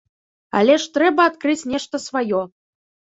Але ж трэба адкрыць нешта сваё.